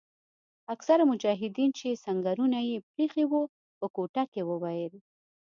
اکثره مجاهدین چې سنګرونه یې پریښي وو په کوټه کې وویل.